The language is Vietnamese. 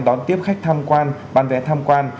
đón tiếp khách tham quan bán vé tham quan